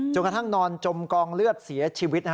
กระทั่งนอนจมกองเลือดเสียชีวิต